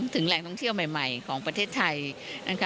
แหล่งท่องเที่ยวใหม่ของประเทศไทยนะคะ